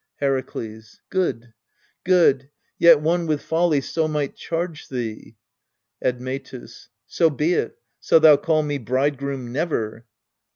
Herakles. Good good yet one with folly so might charge thee. Admetus. So be it, so thou call me bridegroom never.